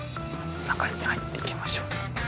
中に入っていきましょう。